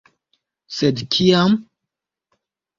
Sed kiam?